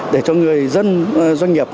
để cho người dân doanh nghiệp